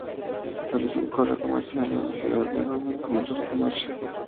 Estableció un correo comercial en la ciudad, de donde comenzó su comercio.